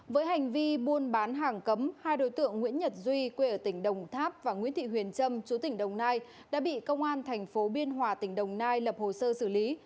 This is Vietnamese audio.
với hành vi buôn bán hàng cấm hai đối tượng nguyễn nhật duy quê ở tỉnh đồng tháp và nguyễn thị huyền trâm chú tỉnh đồng nai đã bị công an thành phố biên hòa tỉnh đồng nai lập hồ sơ xử lý